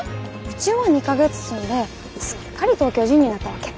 うちは２か月住んですっかり東京人になったわけ。